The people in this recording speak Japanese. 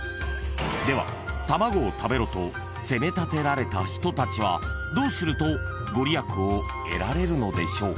［では「卵を食べろ」と責め立てられた人たちはどうすると御利益を得られるのでしょうか？］